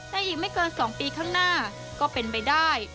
แต่อีกไม่เกิน๒ปีข้างหน้าก็เป็นไปได้